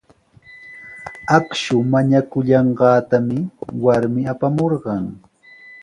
Akshu mañakullanqaatami warmi apamurqan.